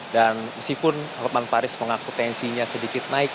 dan meskipun hukuman taris mengaku tensinya sedikit naik